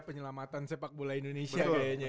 penyelamatan sepak bola indonesia